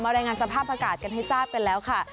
รายงานสภาพอากาศกันให้ทราบกันแล้วค่ะ